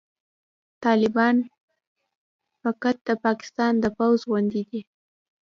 طالبان فقط د پاکستان د پوځ غوندې